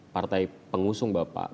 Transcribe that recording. partai pengusung bapak